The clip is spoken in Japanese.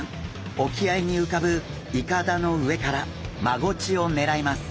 沖合に浮かぶいかだの上からマゴチを狙います。